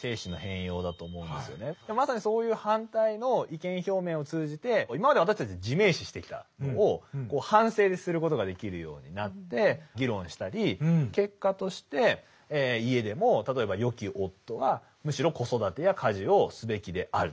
まさにそういう反対の意見表明を通じて今まで私たち自明視してきたのを反省することができるようになって議論したり結果として家でも例えばよき夫はむしろ子育てや家事をすべきであると。